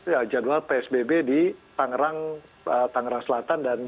ya jadwal psbb di tangerang selatan